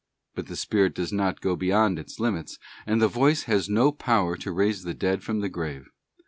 But _ the spirit does not go beyond its limits, and the voice has no power to raise the dead from the grave.